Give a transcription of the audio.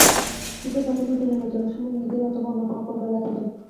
শীতের পাখির মতো নির্বাচনের সময়, ঈদে অথবা অন্য কোনো পর্বে এলাকায় যান।